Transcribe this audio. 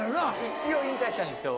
一応引退したんですよ